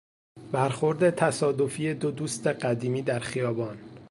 برخورد تصادفی دو دوست قدیمی در خیابان